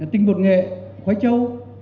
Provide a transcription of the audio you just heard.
tinh bột nghệ khoái trâu